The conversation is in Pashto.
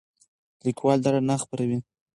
لیکوال دا رڼا خپروي.